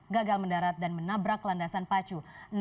gagal mendarat dan menabrak landasan pacu